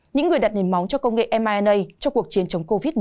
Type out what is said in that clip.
những người đặt nhìn móng cho công nghệ mina trong cuộc chiến chống covid một mươi chín